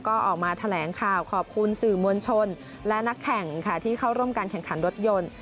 ก็ออกมาแถลงข่าวขอบคุณสื่อมวลชนและนักแข่งค่ะที่เข้าร่วมการแข่งขันรถยนต์